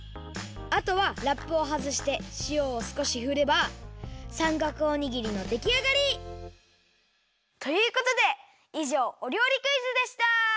あとはラップをはずしてしおをすこしふればさんかくおにぎりのできあがり！ということでいじょうお料理クイズでした！